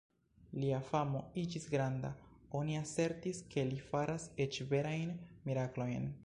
Lia famo iĝis granda; oni asertis ke li faras eĉ verajn miraklojn.